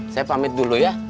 saya pamit dulu ya